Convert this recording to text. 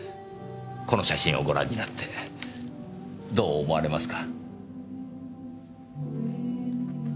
この写真をご覧になってどう思われますか？